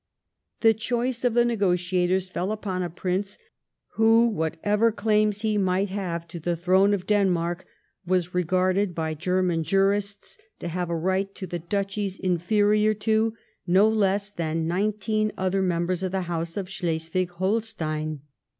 The choice of the negotiators fell upon a prince who, whatever claims he might have to the throne of Den marky was regarded by German jurists to have a right to the Duchies inferior to no less than nineteen other members of the house of Schleswig Holstein.